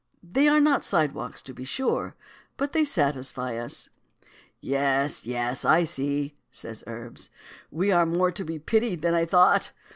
They are not sidewalks, to be sure, but they satisfy us." "Yes, yes; I see," says Urbs. "We are more to be pitied than I thought.